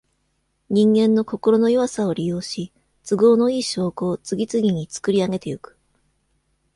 人間の心の弱さを利用し、都合のいい証拠を、次々につくりあげてゆく。